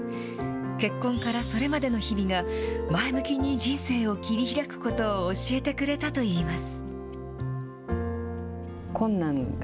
結婚からそれまでの日々が、前向きに人生を切り開くことを教えてくれたといいます。